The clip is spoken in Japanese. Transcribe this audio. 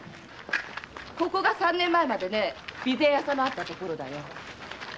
ここが三年前まで備前屋さんのあった所だよ。